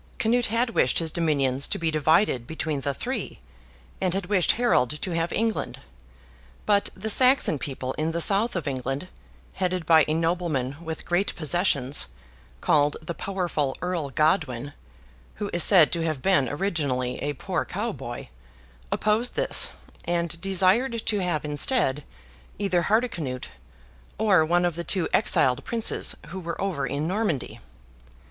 Canute had wished his dominions to be divided between the three, and had wished Harold to have England; but the Saxon people in the South of England, headed by a nobleman with great possessions, called the powerful Earl Godwin (who is said to have been originally a poor cow boy), opposed this, and desired to have, instead, either Hardicanute, or one of the two exiled Princes who were over in Normandy.